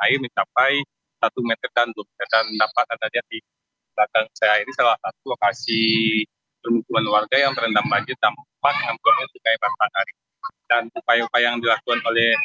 ada baik pemerintah maupun pemerintah